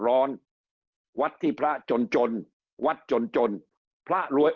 โปรดติดตามต่อไป